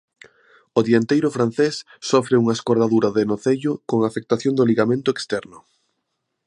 O dianteiro francés sofre unha escordadura de nocello con afectación do ligamento externo.